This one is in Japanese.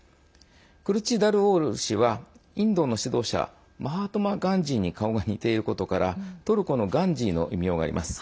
クルチダルオール氏はインドの指導者マハトマ・ガンジーに顔が似ていることからトルコのガンジーの異名があります。